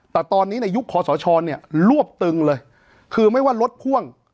แต่ตอนนี้ในยุคคอสชเนี่ยรวบตึงเลยคือไม่ว่ารถพ่วง